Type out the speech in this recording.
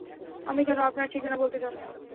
আমি কেনও আপনার ঠিকানা বলতে যাবো?